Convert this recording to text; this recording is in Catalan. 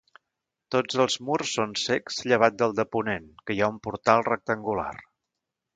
Tots els murs són cecs llevat del de ponent que hi ha un portal rectangular.